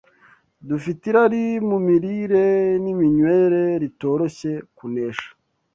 Dufite irari mu mirire n’iminywere ritoroshye kunesha